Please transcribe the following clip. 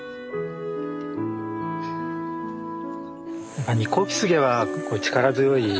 やっぱニッコウキスゲは力強い。